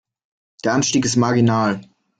Der Anstieg ist marginal.